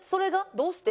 「どうして？